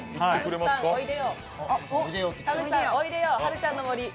田渕さん、おいでよはるちゃんの森。